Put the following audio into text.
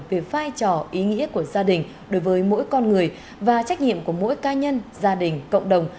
về vai trò ý nghĩa của gia đình đối với mỗi con người và trách nhiệm của mỗi ca nhân gia đình cộng đồng